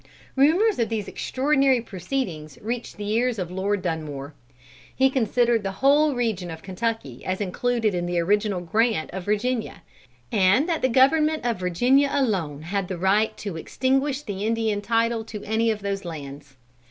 Rumors of these extraordinary proceedings reached the ears of Lord Dunmore. He considered the whole region of Kentucky as included in the original grant of Virginia, and that the Government of Virginia alone had the right to extinguish the Indian title to any of those lands.